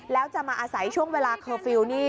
แล้วจะมาอาศัยช่วงเวลาเคอร์ฟิลล์นี่